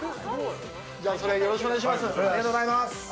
じゃあ、それよろしくお願いします。